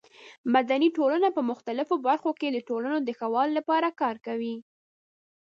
مدني ټولنه په مختلفو برخو کې د ټولنې د ښه والي لپاره کار کوي.